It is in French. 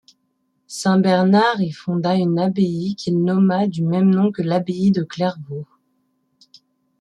Saint-Bernard y fonda une abbaye qu'il nomma du même nom que l'Abbaye de Clairvaux.